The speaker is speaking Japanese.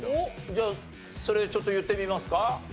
じゃあそれちょっと言ってみますか？